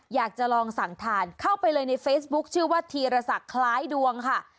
อยากจะลองสั่งทานเข้าไปเลยในเฟซบุ๊คชื่อว่าธีรศักดิ์คล้ายดวงค่ะ